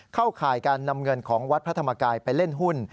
ข่ายการนำเงินของวัดพระธรรมกายไปเล่นหุ้น